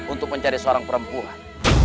untuk mencari seorang perempuan